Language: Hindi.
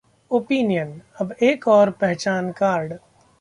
Opinion: अब एक और पहचान कार्ड